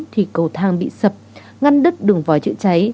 thì cầu thang bị sập ngăn đứt đường vòi chữa cháy